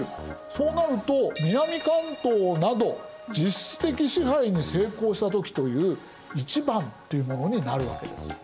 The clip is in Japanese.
そうなると「南関東など実質的支配に成功したとき」という①というものになるわけです。